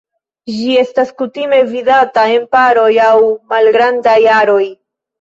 Ĝi estas kutime vidata en paroj aŭ malgrandaj aroj.